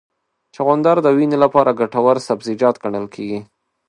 چغندر د وینې لپاره ګټور سبزیجات ګڼل کېږي.